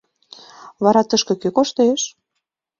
Вара тышке кӧ коштеш?